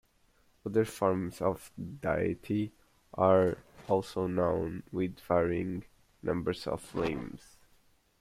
Other forms of the deity are also known with varying numbers of limbs.